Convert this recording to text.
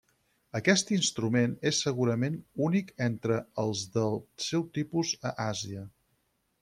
Aquest instrument és segurament únic entre els del seu tipus a Àsia.